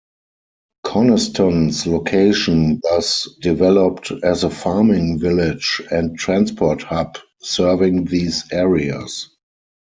Coniston's location thus developed as a farming village and transport hub, serving these areas.